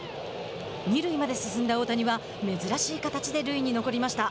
二塁まで進んだ大谷は珍しい形で塁に残りました。